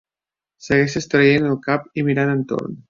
Segueixes traient el cap i mirant entorn